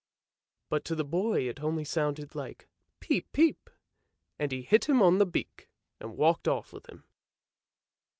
" but to the boy it only sounded like peep peep, and he hit him on the beak and walked off with him.